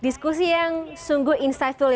diskusi yang sungguh insightful